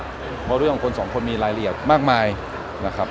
เพราะเรื่องของคนสองคนมีรายละเอียดมากมายนะครับ